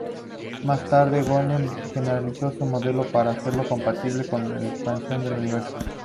Más tarde Gödel generalizó su modelo para hacerlo compatible con la expansión del universo.